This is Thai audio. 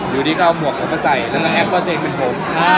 อยู่ดีเขาเอาหมวกเขาไปใส่แล้วก็แอคว่าเจ๊เป็นผม